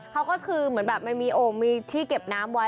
เขาก็คือเหมือนแบบมันมีโอ่งมีที่เก็บน้ำไว้